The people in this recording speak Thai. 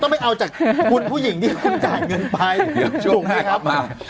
ไม่เอาจากคุณผู้หญิงที่คุณจ่ายเงินไปเดี๋ยวช่วงหน้ากลับมา